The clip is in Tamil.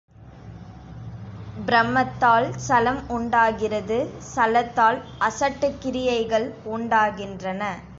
ப்ரமத்தால் சளம் உண்டாகிறது சளத்தால் அசட்டுக் கிரியைகள் உண்டாகின்றன.